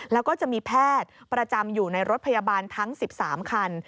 แล้วก็จะมีแพทย์ประจำอยู่ในรถพยาบาลทั้ง๑๓คัน